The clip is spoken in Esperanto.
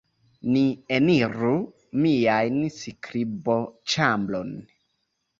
Ni eniru mian skriboĉambron.